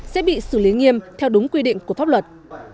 sẽ bị xử lý nghiêm theo đúng quy định của pháp luật